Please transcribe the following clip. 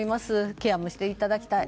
ケアもしていただきたい。